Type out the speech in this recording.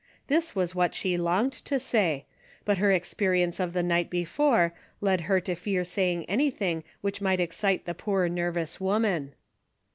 This was what she longed to say, but her experience of the night before led her to fear saying anything which might excite the poor nervous Avoman.